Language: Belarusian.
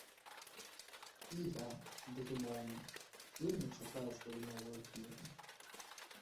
І я, безумоўна, вельмі чакаю сваю новую кнігу.